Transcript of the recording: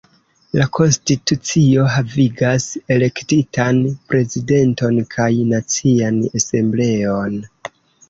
La konstitucio havigas elektitan Prezidenton kaj Nacian Asembleon.